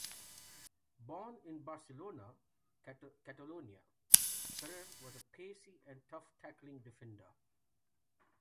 Born in Barcelona, Catalonia, Ferrer was a pacy and tough-tackling defender.